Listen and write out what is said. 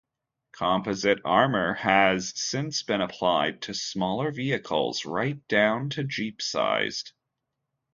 Composite armour has since been applied to smaller vehicles, right down to jeep-sized.